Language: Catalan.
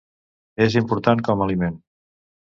És important com a aliment.